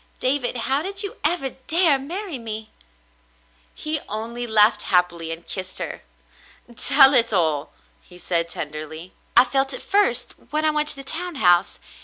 David, how did you ever dare marry me ? He only laughed happily and kissed her. "Tell it all,'* he said tenderly. "I felt it first when I went to the town house.